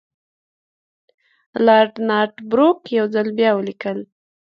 لارډ نارت بروک یو ځل بیا ولیکل.